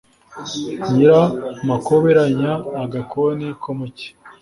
nyiramakoberanya-agakoni ko mu cyi.